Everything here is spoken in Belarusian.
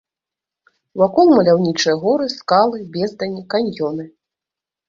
Вакол маляўнічыя горы, скалы, бездані, каньёны.